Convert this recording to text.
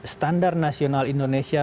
standar nasional indonesia